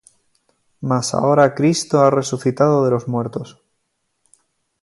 Mas ahora Cristo ha resucitado de los muertos;